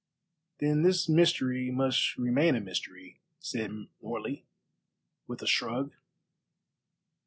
"Then this mystery must remain a mystery," said Morley, with a shrug.